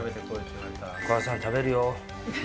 お母さん、食べるよ。